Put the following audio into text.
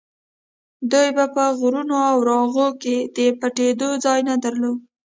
دوی به په غرونو او راغو کې د پټېدو ځای نه درلود.